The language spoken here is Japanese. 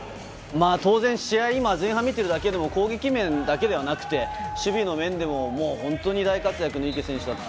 当然、試合前半見ているだけでも攻撃面だけではなくて守備の面でも本当に大活躍の池選手でした。